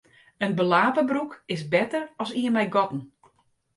In belape broek is better as ien mei gatten.